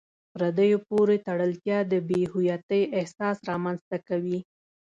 پردیو پورې تړلتیا د بې هویتۍ احساس رامنځته کوي.